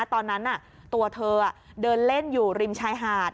ตอนนั้นตัวเธอเดินเล่นอยู่ริมชายหาด